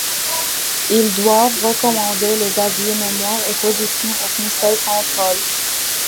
Ils doivent recommander les avis, mémoires et positions au Conseil central.